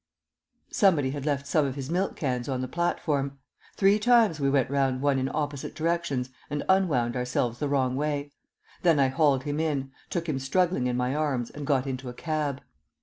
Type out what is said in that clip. Somebody had left some of his milk cans on the platform. Three times we went round one in opposite directions and unwound ourselves the wrong way. Then I hauled him in, took him struggling in my arms and got into a cab.